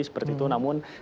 seperti itu namun